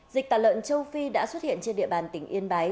dịch tà lợn châu phi đã xuất hiện trên địa bàn tỉnh yên bái